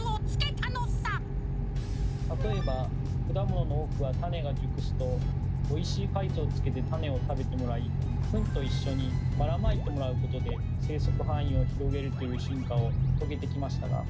例えば果物の多くは種が熟すとおいしい果実をつけて種を食べてもらいフンと一緒にばらまいてもらうことで生息範囲を広げるという進化を遂げてきましたが。